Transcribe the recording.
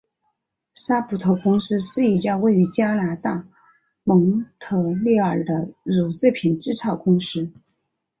萨普托公司是一家位于加拿大蒙特利尔的乳制品制造公司。